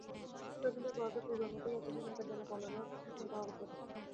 শর্মিলার বরাদ্দ পূর্বের মতোই আছে, সেখানকার দেনাপাওনার রহস্য শশাঙ্কর অগোচরে।